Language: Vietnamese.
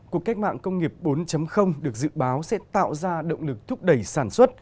cuộc cách mạng công nghiệp bốn được dự báo sẽ tạo ra động lực thúc đẩy sản xuất